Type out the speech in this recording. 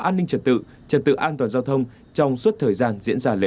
an ninh trật tự trật tự an toàn giao thông trong suốt thời gian diễn ra lễ